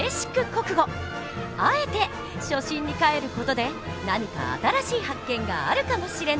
あえて初心にかえる事で何か新しい発見があるかもしれない！